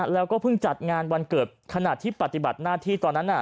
แล้วก็เพิ่งจัดงานวันเกิดขณะที่ปฏิบัติหน้าที่ตอนนั้น